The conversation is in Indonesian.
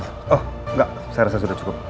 oh enggak saya rasa sudah cukup